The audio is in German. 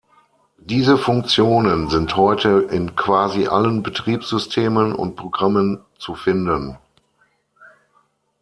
Diese Funktionen sind heute in quasi allen Betriebssystemen und Programmen zu finden.